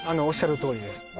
おっしゃるとおりです